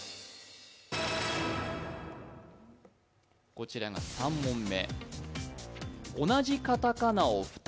こちらが３問目。